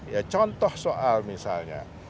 ya contoh soal misalnya